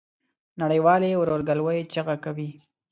نړۍ والي ورورګلوی چیغه کوي.